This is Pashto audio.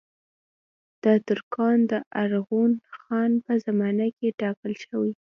دا ترکان د ارغون خان په زمانه کې ټاکل شوي.